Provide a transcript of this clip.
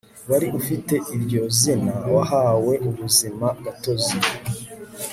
wari ufite iryo zina wahawe ubuzima gatozi